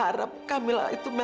ibu cukup sakit hati